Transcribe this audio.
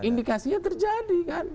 indikasinya terjadi kan